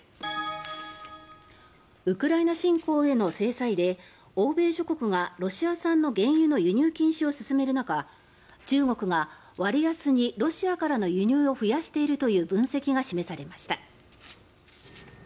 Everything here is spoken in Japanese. ウクライナ侵攻への制裁で欧米諸国がロシア産の原油の輸入禁止を進める中中国が割安にロシアからの輸入を増やしているという分析が示されました。